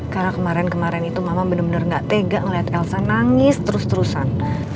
karena kemarin kemarin itu mama bener bener gak tega ngeliat elsa nangis terus terusan